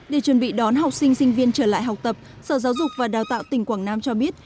để chuẩn bị đón học sinh sinh viên trở lại học tập sở giáo dục và đào tạo tỉnh quảng nam cho biết